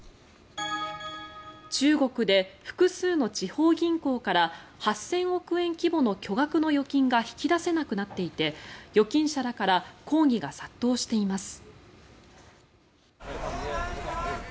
中国で複数の地方銀行から８０００億円規模の巨額の預金が引き出せなくなっていて預金者らから抗議が殺到しています。